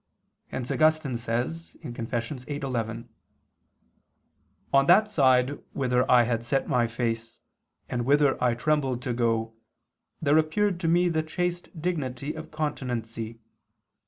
Hence Augustine says (Confess. viii, 11): "On that side whither I had set my face, and whither I trembled to go, there appeared to me the chaste dignity of continency